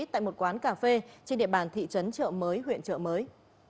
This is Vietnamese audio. tại một quán cà phê trên địa bàn thị trấn chợ mới huyện chợ mới